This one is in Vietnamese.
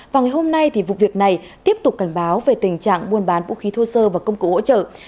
và ngày hôm nay thì vụ việc này tiếp tục cảnh báo về tình trạng buôn bán vũ khí thô sơ và công cụ hỗ trợ